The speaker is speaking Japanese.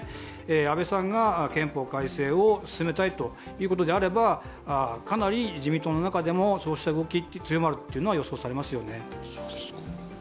安倍さんが憲法改正を進めたいということであれば、かなり自民党の中でもそうした動きが強まるのは予想されますよね。